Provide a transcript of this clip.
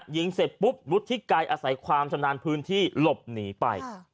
ยิงเสร็จปุ๊บวุฒิไกรอาศัยความชำนาญพื้นที่หลบหนีไป